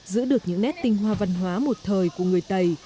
giữ được những nét tinh hoa văn hóa một thời của người tày